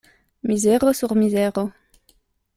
Mizero sur mizero.